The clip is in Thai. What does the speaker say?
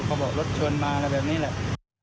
เค้าบอกรถชวนมาแบบนี้แหละ